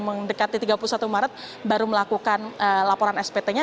mendekati tiga puluh satu maret baru melakukan laporan spt nya